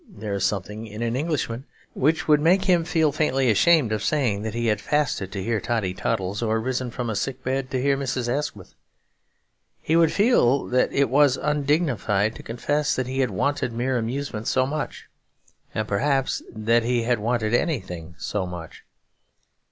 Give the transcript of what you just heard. There is something in an Englishman which would make him feel faintly ashamed of saying that he had fasted to hear Totty Toddles, or risen from a sick bed to hear Mrs. Asquith. He would feel that it was undignified to confess that he had wanted mere amusement so much; and perhaps that he had wanted anything so much.